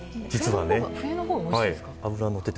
冬のほうがおいしいんですか？